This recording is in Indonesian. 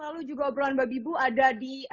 lalu juga obrolan babibu ada di